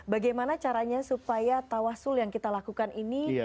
bagaimana caranya supaya tawasul yang kita lakukan ini